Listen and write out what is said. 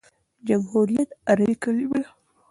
جمهوریت عربي کلیمه ده.